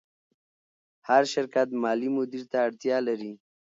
هر شرکت مالي مدیر ته اړتیا لري.